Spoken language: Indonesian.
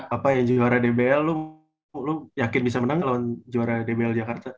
apa ya juara dbl lu yakin bisa menang gak lawan juara dbl jakarta